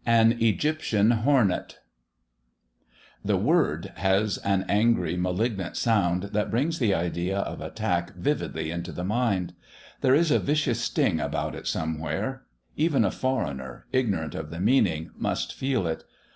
IX AN EGYPTIAN HORNET The word has an angry, malignant sound that brings the idea of attack vividly into the mind. There is a vicious sting about it somewhere even a foreigner, ignorant of the meaning, must feel it.